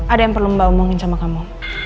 ada yang perlu mbak omongin sama kamu